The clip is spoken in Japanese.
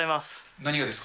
何がですか？